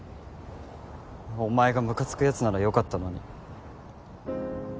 お前がムカつくやつならよかったのに。